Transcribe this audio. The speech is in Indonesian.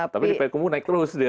tapi di peku naik terus dia